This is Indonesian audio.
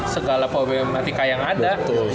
segala problematika yang ada